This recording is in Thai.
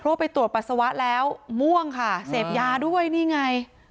เพราะไปตรวจปัสสาวะแล้วม่วงค่ะเสพยาด้วยนี่ไง